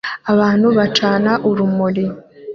Abantu bacana urumuri